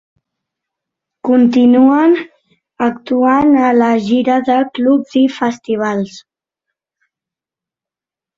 Continuen actuant a la gira de clubs i festivals.